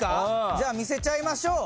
じゃあ見せちゃいましょう。